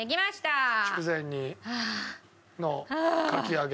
筑前煮のかき揚げ。